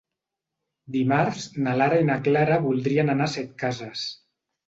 Dimarts na Lara i na Clara voldrien anar a Setcases.